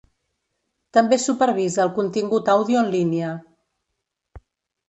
També supervisa el contingut àudio en línia.